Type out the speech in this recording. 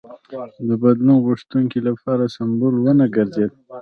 د بدلون غوښتونکو لپاره سمبول ونه ګرځي.